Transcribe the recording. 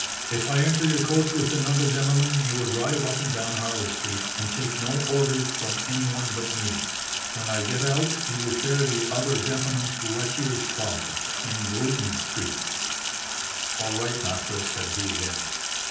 "' If I enter your coach with another gentleman, you will drive up and down Harley Street, and take no orders from anyone but me. When I get out, you will carry the other gentleman to Watier's Club, in Bruton Street.' "'All right, master,' said he again.